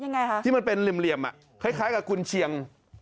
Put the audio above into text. ยังไงคะที่มันเป็นเหลี่ยมคล้ายกับกุญเชียง